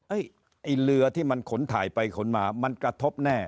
ไอ้เรือที่มันขนถ่ายไปขนมามันกระทบแน่